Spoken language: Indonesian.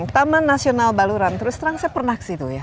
taman nasional baluran terus terang saya pernah ke situ ya